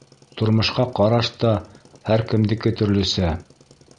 Тормошҡа ҡараш та һәр кемдеке төрлөсә.